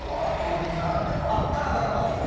カナダの方が大きい。